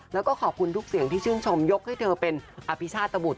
แล้วก็ขอบคุณทุกเสียงที่ชื่นชมยกให้เธอเป็นอภิชาตบุตร